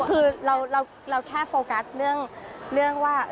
คือเราแค่โฟกัสเรื่องว่า